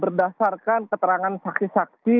berdasarkan keterangan saksi saksi